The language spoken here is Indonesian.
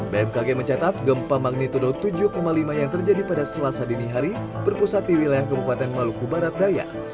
bmkg mencatat gempa magnitudo tujuh lima yang terjadi pada selasa dini hari berpusat di wilayah kabupaten maluku barat daya